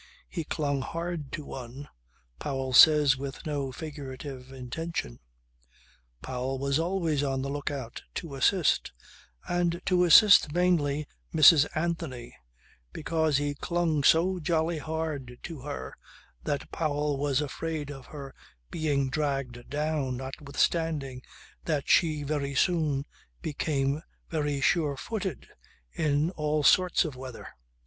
He clung hard to one Powell says, with no figurative intention. Powell was always on the lookout to assist, and to assist mainly Mrs. Anthony, because he clung so jolly hard to her that Powell was afraid of her being dragged down notwithstanding that she very soon became very sure footed in all sorts of weather.